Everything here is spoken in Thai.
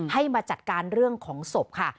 ให้มาจัดการเรื่องของศพค่ะ